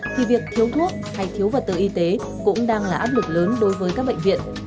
thì việc thiếu thuốc hay thiếu vật tư y tế cũng đang là áp lực lớn đối với các bệnh viện